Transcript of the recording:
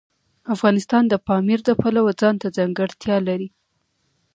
افغانستان د پامیر د پلوه ځانته ځانګړتیا لري.